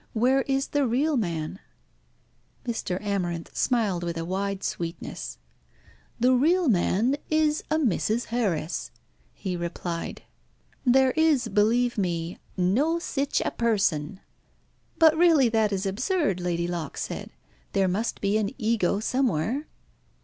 Where is the real man?" Mr. Amarinth smiled with a wide sweetness. "The real man is a Mrs. Harris," he replied. "There is, believe me, 'no sich a person.'" "But really that is absurd," Lady Locke said. "There must be an ego somewhere."